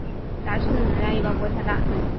杂讯的能量一般不会太大。